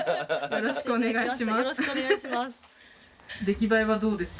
よろしくお願いします。